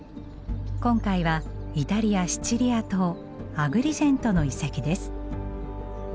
今回はイタリア・シチリア島アグリジェントの遺跡です。